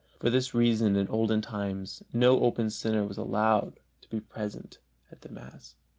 For this reason in olden times no open sinner was allowed to be present at the mass.